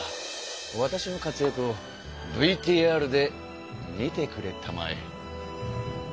わたしの活躍をＶＴＲで見てくれたまえ。